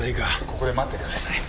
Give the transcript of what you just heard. ここで待っててください。